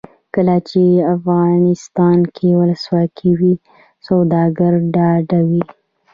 کله چې افغانستان کې ولسواکي وي سوداګر ډاډه وي.